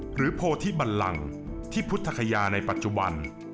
หรือโภคทิบัลลังค์ที่พุทธคัยาในปัจจุบัน